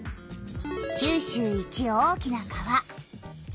九州一大きな川「筑後川」。